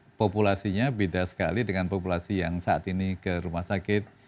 nah populasinya beda sekali dengan populasi yang saat ini ke rumah sakit